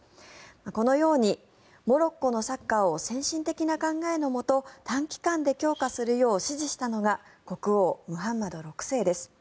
このようにモロッコのサッカーを先進的な考えのもと短期間で強化するよう指示したのが国王ムハンマド６世です。